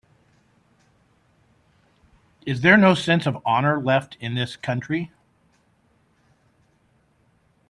Is there no sense of honor left in this country?